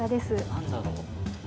何だろう？